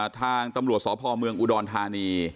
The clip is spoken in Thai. ทางตำรวจสพเมืองอุดรธานี